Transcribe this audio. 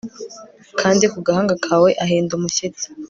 kandi iyo ku gahanga kawe ahinda umushyitsi